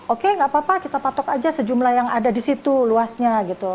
oke tidak apa apa kita patok saja sejumlah yang ada di situ luasnya